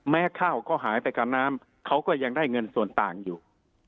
ข้าวก็หายไปกับน้ำเขาก็ยังได้เงินส่วนต่างอยู่